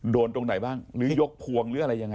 ตรงไหนบ้างหรือยกพวงหรืออะไรยังไง